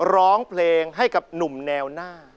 ร้องเพลงให้กับหนุ่มแนวหน้า